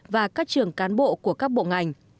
và các trường cán bộ của các bộ ngành